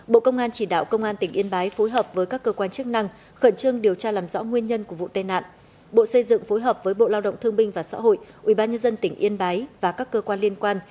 bộ công an chỉ đạo công an tỉnh yên bái phối hợp với các cơ quan chức năng khẩn trương điều tra làm rõ nguyên nhân của vụ tai nạn